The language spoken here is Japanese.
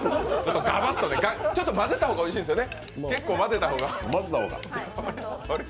ガバッとね、混ぜた方がおいしいんですよね。